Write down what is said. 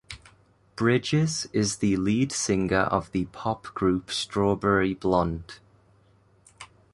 Bridges is the lead singer of the pop group Strawberry Blonde.